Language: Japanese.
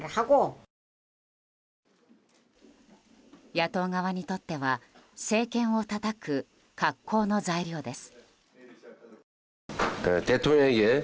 野党側にとっては政権をたたく格好の材料です。